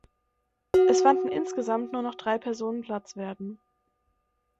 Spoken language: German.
Es fanden insgesamt nur noch drei Personen Platz werden.